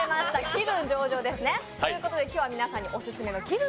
「気分上々↑↑」ですね。ということで今日は皆さんにオススメの気分